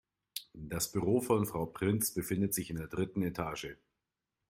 Das Büro von Frau Prinz befindet sich in der dritten Etage.